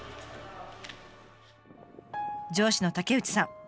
上司の竹内さん